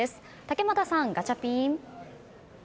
竹俣さん、ガチャピン。